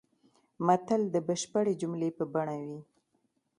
متل د بشپړې جملې په بڼه وي